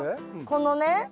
このね